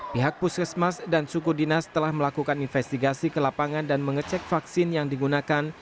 pihak puskesmas dan suku dinas telah melakukan investigasi ke lapangan dan mengecek vaksin yang digunakan